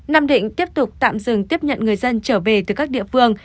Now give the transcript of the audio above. nam định tiếp tục tạm dừng tiếp nhận người dân trở về từ các địa phương